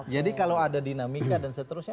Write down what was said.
jadi kalau ada dinamika dan seterusnya